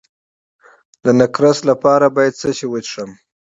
د نقرس لپاره باید څه شی وڅښم؟